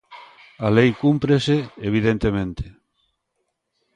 A lei cúmprese, evidentemente.